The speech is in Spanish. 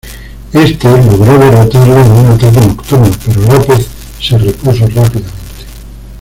Éste logró derrotarlo en un ataque nocturno, pero López se repuso rápidamente.